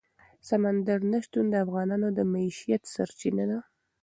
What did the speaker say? سمندر نه شتون د افغانانو د معیشت سرچینه ده.